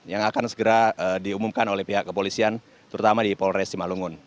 yang akan segera diumumkan oleh pihak kepolisian terutama di polres simalungun